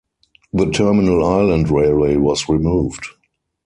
The Terminal Island Railway was removed.